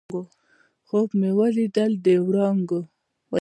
خوب مې ولیدی د وړانګو